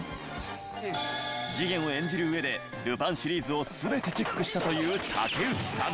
次元を演じる上で『ルパン』シリーズを全てチェックしたという武内さん。